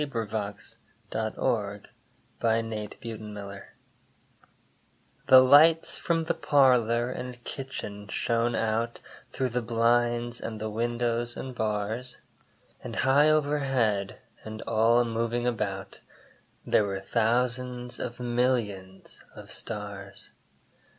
ESCAPE AT BEDTIME The lights from the parlor and kitchen shone out Through the blinds and the windows and bars; And high over head and all moving about, There were thousands of millions of stars.